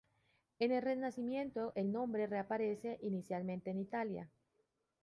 En el Renacimiento el nombre reaparece, inicialmente en Italia.